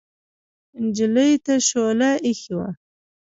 نجلۍ ته شوله اېښې وه.